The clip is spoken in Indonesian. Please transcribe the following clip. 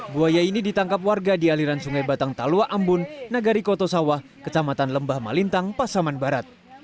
buaya ini ditangkap warga di aliran sungai batang talua ambun nagari kotosawah kecamatan lembah malintang pasaman barat